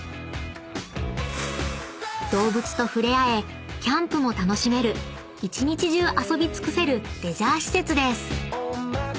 ［動物と触れ合えキャンプも楽しめる一日中遊び尽くせるレジャー施設です］